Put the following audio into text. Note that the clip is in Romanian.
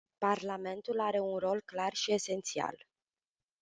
Parlamentul are un rol foarte clar și esențial.